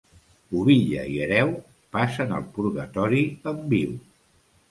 Pubilla i hereu, passen el purgatori en viu.